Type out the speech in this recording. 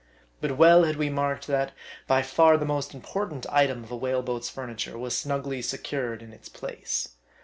But well had~we marked that by far the most important item of a whale boat's furniture was snugly secured in its place.